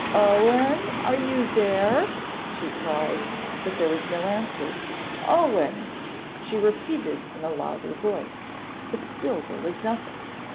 'Owen, are you there?' she cried, but there was no answer. 'Owen!' she repeated in a louder voice, but still there was nothing.